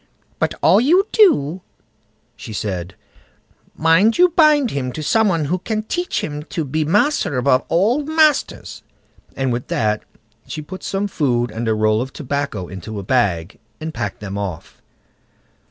"But all you do", she said, "mind you bind him to some one who can teach him to be master above all masters"; and with that she put some food and a roll of tobacco into a bag, and packed them off.